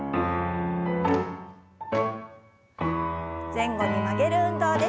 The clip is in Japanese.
前後に曲げる運動です。